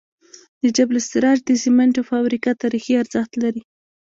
د جبل السراج د سمنټو فابریکه تاریخي ارزښت لري.